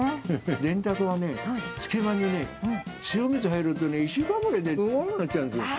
電卓はね、隙間に塩水入るとね、１時間ぐらい動かなくなっちゃうんですよ。